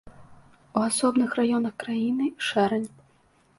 У асобных раёнах краіны шэрань.